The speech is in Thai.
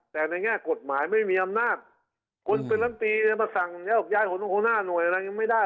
แต่ในแง่กฎหมายไม่มีอำนาจคนเป็นลำตีมาสั่งโยกย้ายหัวหน้าหน่วยอะไรยังไม่ได้